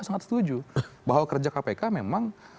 sangat setuju bahwa kerja kpk memang